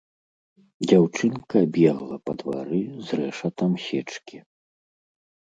Дзяўчынка бегла па двары з рэшатам сечкі.